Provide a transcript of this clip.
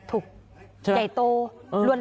ถูกใหญ่โตรวรรดย์